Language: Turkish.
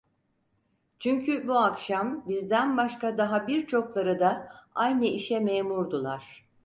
Çünkü bu akşam bizden başka daha birçokları da aynı işe memurdular.